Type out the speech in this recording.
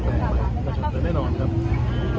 น่าจะเกิดแน่นอนครับ